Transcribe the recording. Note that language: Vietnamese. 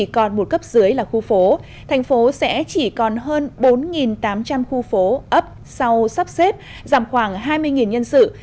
còn một cấp dưới là khu phố thành phố sẽ chỉ còn hơn bốn tám trăm linh khu phố ấp sau sắp xếp giảm khoảng hai mươi nhân sự